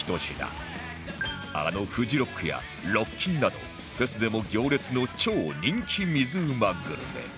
あのフジロックやロッキンなどフェスでも行列の超人気水うまグルメ